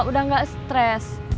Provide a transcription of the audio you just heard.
udah gak stress